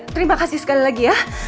terima kasih sekali lagi ya